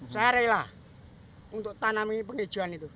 saya rela untuk tanami penghijauan itu